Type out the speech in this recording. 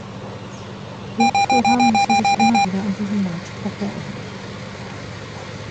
Lokführer müssen sich immer wieder an diesen Leitspruch erinnern.